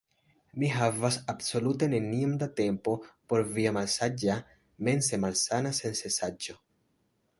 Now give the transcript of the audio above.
Mi havas absolute neniom da tempo por via malsaĝa, mense malsana sensencaĵo.